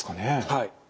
はい。